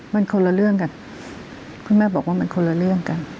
มันคนละเรื่องกันคุณแม่บอกว่ามันคนละเรื่องกัน